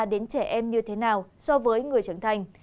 đến trẻ em như thế nào so với người trưởng thành